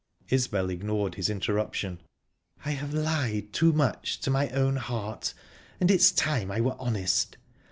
Isbel ignored his interruption. "I have lied too much to my own heart, and it's time I were honest.